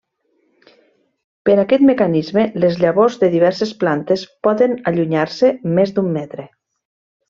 Per aquest mecanisme les llavors de diverses plantes poden allunyar-se més d'un metre.